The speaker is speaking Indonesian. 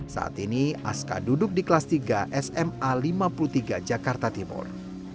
saat ini aska duduk di kelas tiga sma lima puluh tiga jakarta timur